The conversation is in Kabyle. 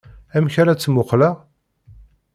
Amek ara tt-muqleɣ?